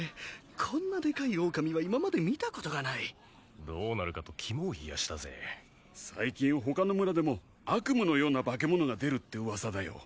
こんなでかいオオカミは今まで見たことがないどうなるかと肝を冷やしたぜ最近他の村でも悪夢のような化け物が出るって噂だよ